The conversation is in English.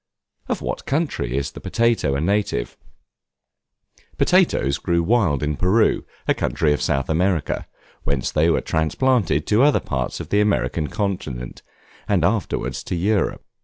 Of what country is the Potato a native? Potatoes grew wild in Peru, a country of South America; whence they were transplanted to other parts of the American continent, and afterwards to Europe.